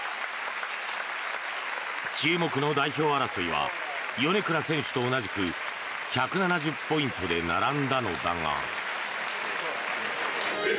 注目の代表争いは米倉選手と同じく１７０ポイントで並んだのだが。